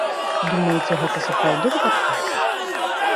Думаеце, гэта сапраўды выпадковасць?